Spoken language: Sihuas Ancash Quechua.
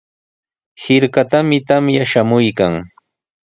Hirkatami tamya shamuykan.